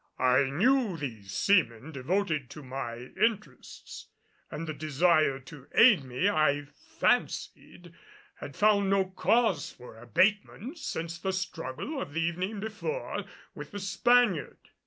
I knew these seamen devoted to my interests; and the desire to aid me, I fancied, had found no cause for abatement since the struggle of the evening before with the Spaniard.